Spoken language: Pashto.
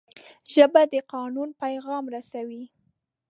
ژبه د قانون پیغام رسوي